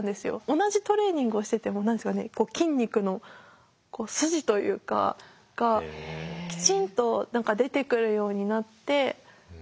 同じトレーニングをしてても筋肉の筋というかがきちんと出てくるようになって。